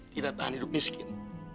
tidak tahan hidup miskin